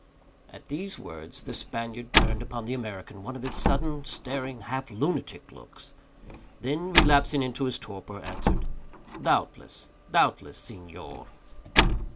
At these words the Spaniard turned upon the American one of his sudden, staring, half lunatic looks; then, relapsing into his torpor, answered, "Doubtless, doubtless, Señor."